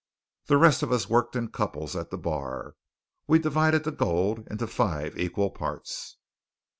The rest of us worked in couples at the bar. We divided the gold into five equal parts.